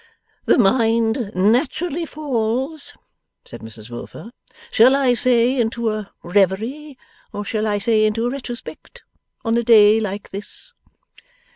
'The mind naturally falls,' said Mrs Wilfer, 'shall I say into a reverie, or shall I say into a retrospect? on a day like this.